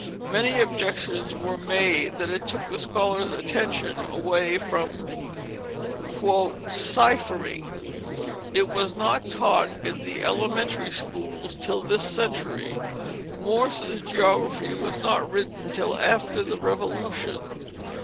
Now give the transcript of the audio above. Many objections were made that it took the scholar's attention away from "cyphering." It was not taught in the elementary schools till this century. Morse's Geography was not written till after the Revolution.